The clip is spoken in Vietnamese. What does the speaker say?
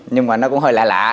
nhưng mà nó cũng hơi lạ lạ